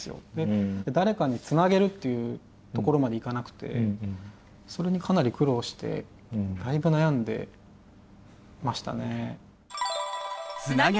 誰かにつなげるっていうところまでいかなくてそれにかなり苦労してだいぶ悩んでましたね。